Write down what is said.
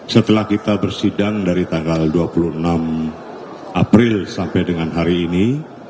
setelah kita bersidang dari tanggal dua puluh enam april sampai dengan hari ini